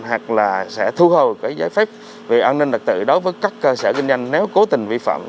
hoặc là sẽ thu hồn giấy phép về an ninh đặc tự đối với các cơ sở kinh doanh nếu cố tình vi phạm